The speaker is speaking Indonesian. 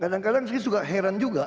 kadang kadang saya juga heran juga